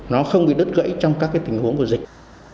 nó không bị đứt gãy trong các tình huống của dịch